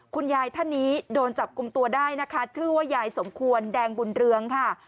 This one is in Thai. คุณยายท่านนี้โดนจับกลุ่มตัวได้นะคะชื่อว่ายายสมควรแดงบุญเรืองค่ะ